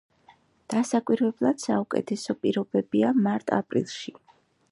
დასაკვირვებლად საუკეთესო პირობებია მარტ-აპრილში.